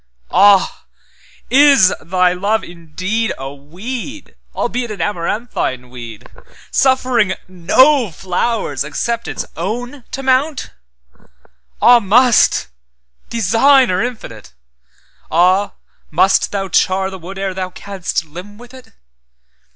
Ah! is Thy love indeedA weed, albeit an amaranthine weed, Suffering no flowers except its own to mount? Ah! must—Designer infinite!—Ah! must Thou char the wood ere Thou canst limn with it?